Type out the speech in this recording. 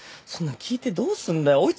そんなん聞いてどうすんだよ